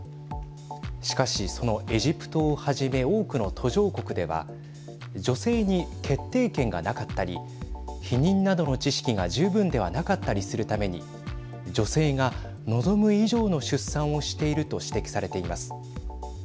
しかし、そのエジプトをはじめ多くの途上国では女性に決定権がなかったり避妊などの知識が十分ではなかったりするために女性が望む以上の出産をしていると指摘されています。